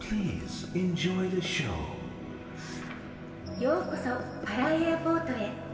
ようこそパラ・エアポートへ。